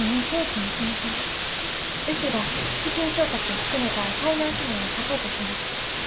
うちが資金調達を含めたファイナンス面をサポートします。